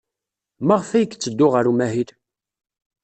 Maɣef ay yetteddu ɣer umahil?